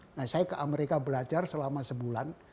nah saya ke amerika belajar selama sebulan